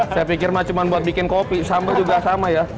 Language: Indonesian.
saya pikir cuma buat bikin kopi sambal juga sama ya